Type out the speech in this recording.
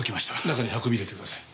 中に運び入れてください。